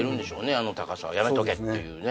あの高さやめとけっていうね